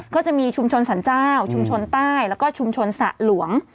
ก็จะมีชุมชนสรรเจ้าชุมชนใต้แล้วก็ชุมชนสระหลวง